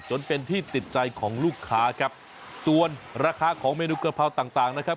จนเป็นที่ติดใจของลูกค้าครับส่วนราคาของเมนูกะเพราต่างต่างนะครับ